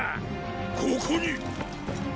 ここに。